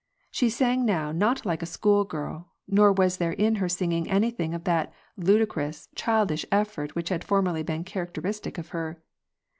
She sang now not like a school girl, nor was there in her singing anything of that ludicrous, childish effort which had formerly been characteristic of her.